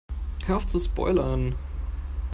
Hör auf zu spoilern!